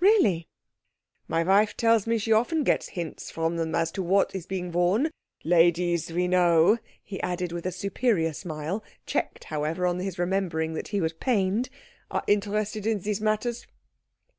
"Really?" "My wife tells me she often gets hints from them as to what is being worn. Ladies, we know," he added with a superior smile, checked, however, on his remembering that he was pained, "are interested in these matters."